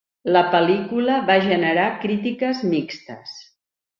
La pel·lícula va generar crítiques mixtes.